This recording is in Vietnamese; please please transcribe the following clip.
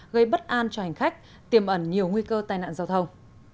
gây bất an cho hành khách tiềm ẩn nhiều nguy cơ tai nạn giao thông